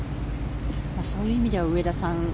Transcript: そういう意味では上田さん